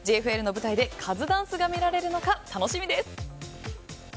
ＪＦＬの舞台でカズダンスが見られるのか、楽しみです。